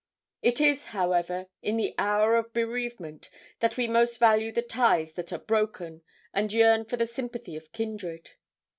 'It is, however, in the hour of bereavement that we most value the ties that are broken, and yearn for the sympathy of kindred.'